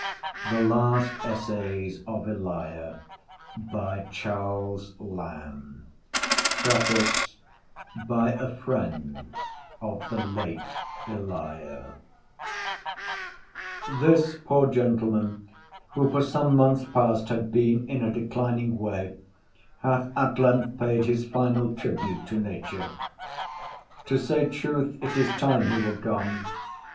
THE LAST ESSAYS OF ELIA (From the 1st Edition, 1833) PREFACE BY A FRIEND OF THE LATE ELIA This poor gentleman, who for some months past had been in a declining way, hath at length paid his final tribute to nature. To say truth, it is time he were gone.